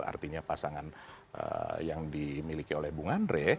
artinya pasangan yang dimiliki oleh bung andre